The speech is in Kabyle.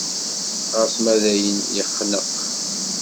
Xas ma dayen yexneq.